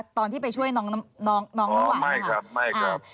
ตอนที่ไปช่วยน้องน้องวะใช่ไหมคะอ๋อไม่ครับ